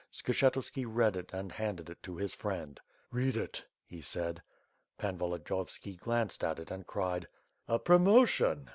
Skshetuski read it and handed it to his friend. "Read it," he said. Paoi Volodiyovski glanced at it and cried: "A promotion!''